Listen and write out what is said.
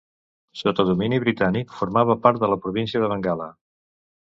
Sota domini britànic formava part de la província de Bengala.